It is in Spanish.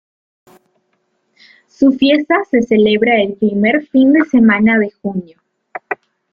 Su fiesta se celebra el primer fin de semana de junio.